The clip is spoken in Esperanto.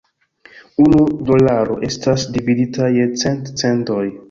Unu dolaro estas dividita je cent "cendoj".